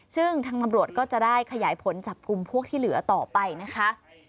ซึ่งทางตำรวจก็จะได้ขยายผลจับกลุ่มพวกที่เหลือต่อไปนะคะ